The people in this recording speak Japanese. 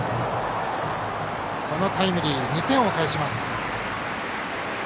このタイムリーで２点を返します。